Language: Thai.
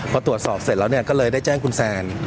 พอตรวจสอบเสร็จแล้วก็เลยได้แจ้งคุณแซน